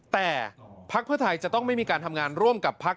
แต่พักเพื่อไทยจะต้องไม่มีการทำงานร่วมกับพัก